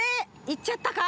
行っちゃったか？